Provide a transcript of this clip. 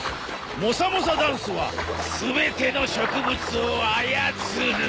モサモサダンスは全ての植物を操る。